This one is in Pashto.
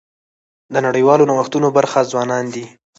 د نړیوالو نوښتونو برخه ځوانان دي.